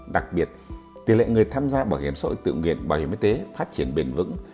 đặc biệt tỷ lệ người tham gia bảo hiểm xã hội tự nguyện bảo hiểm y tế phát triển bền vững